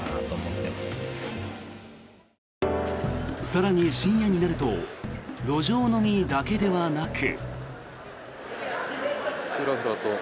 更に、深夜になると路上飲みだけではなく。